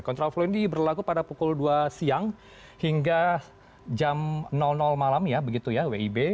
kontrol flow ini berlaku pada pukul dua siang hingga jam malam ya begitu ya wib